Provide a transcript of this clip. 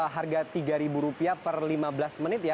harga rp tiga per lima belas menit ya